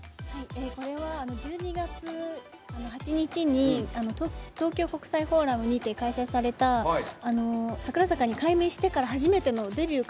これは１２月８日に東京国際フォーラムにて開催された櫻坂に改名してから初めてのデビュー